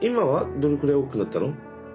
どれくらい大きくなったの？